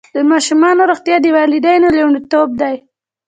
د ماشومانو روغتیا د والدینو لومړیتوب دی.